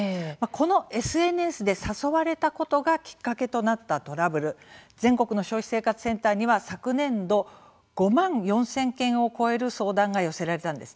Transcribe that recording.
このＳＮＳで誘われたことがきっかけとなったトラブル全国の消費生活センターには昨年度、５万４０００件を超える相談が寄せられたんですね。